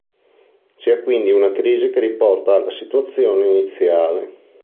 Si ha quindi una crisi che riporta alla situazione iniziale.